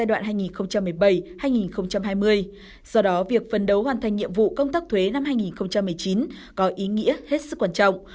do đó việc phân đấu hoàn thành nhiệm vụ công tác thuế năm hai nghìn một mươi chín có ý nghĩa hết sức quan trọng